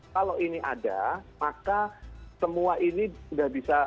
kalau ini ada maka semua ini sudah bisa lebih beres daripada sebelumnya